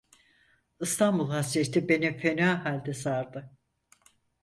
İstanbul hasreti beni fena halde sardı.